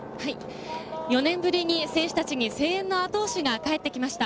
４年ぶりに選手たちに声援の後押しがかえってきました。